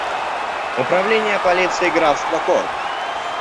Управление полицией графства Корк.